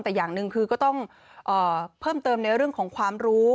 แต่อย่างหนึ่งคือก็ต้องเพิ่มเติมในเรื่องของความรู้